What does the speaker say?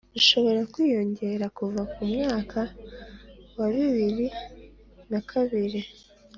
ushobora kwiyongera kuva mu mwaka wa bibiri na kabiri